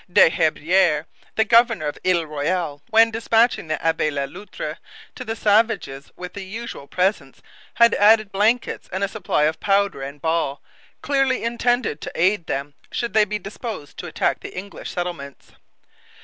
Des Herbiers, the governor of Ile Royale, when dispatching the Abbe Le Loutre to the savages with the usual presents, had added blankets and a supply of powder and ball, clearly intended to aid them should they be disposed to attack the English settlements.